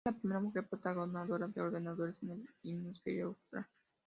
Fue la primera mujer programadora de ordenadores en el hemisferio austral.